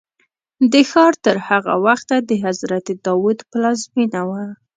دا ښار تر هغه وخته د حضرت داود پلازمینه وه.